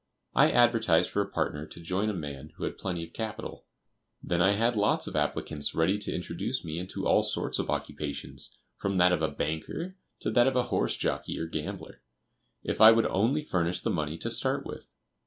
I advertised for a partner to join a man who had plenty of capital. Then I had lots of applicants ready to introduce me into all sorts of occupations, from that of a banker to that of a horse jockey or gambler, if I would only furnish the money to start with.